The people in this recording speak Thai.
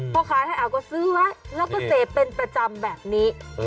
พอขายให้เอาก็ซื้อไว้แล้วก็เสพเป็นประจำแบบนี้